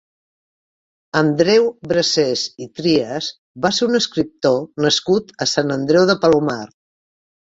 Andreu Brasés i Trias va ser un escriptor nascut a Sant Andreu de Palomar.